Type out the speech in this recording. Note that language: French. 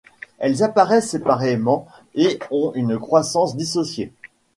Elles apparaissent séparées et ont une croissance dissociée.